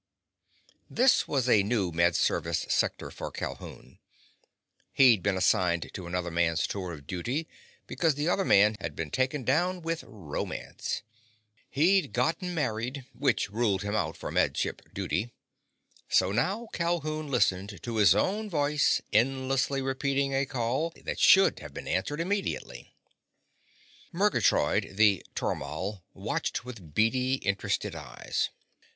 This was a new Med Service sector for Calhoun. He'd been assigned to another man's tour of duty because the other man had been taken down with romance. He'd gotten married, which ruled him out for Med Ship duty. So now Calhoun listened to his own voice endlessly repeating a call that should have been answered immediately. Murgatroyd the tormal watched with beady, interested eyes.